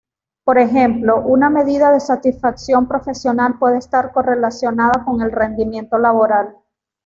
Por ejemplo, una medida de satisfacción profesional puede estar correlacionada con el rendimiento laboral.